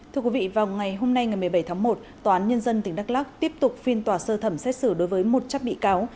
thưa quý vị vào ngày hôm nay ngày một mươi bảy tháng một tòa án nhân dân tỉnh đắk lắc tiếp tục phiên tòa sơ thẩm xét xử đối với một chắc bị cáo